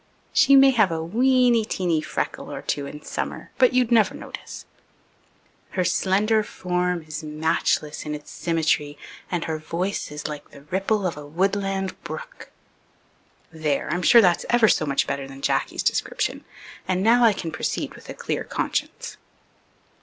(She may have a weeny teeny freckle or two in summer, but you'd never notice.) Her slender form is matchless in its symmetry and her voice is like the ripple of a woodland brook. There, I'm sure that's ever so much better than Jacky's description, and now I can proceed with a clear conscience.